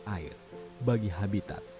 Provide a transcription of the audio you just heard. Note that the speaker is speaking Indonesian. air bagi habitat